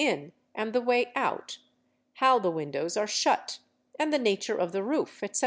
in, and the way out, how the windows are shut, and the nature of the roof, etc.